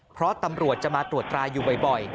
เพราะตำรวจจะมาตรวจตราอยู่บ่อย